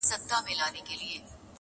o د پښتانه بېره په سترگو کي ده!